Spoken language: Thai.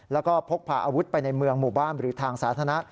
แล้วก็พกพาอาวุธไปในเมืองหมู่บ้านหรือทางสาธารณะ